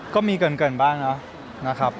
ก็มีเกินบ้างนะครับ